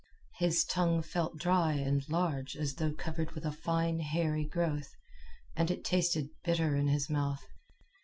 His tongue felt dry and large, as though covered with a fine hairy growth, and it tasted bitter in his mouth.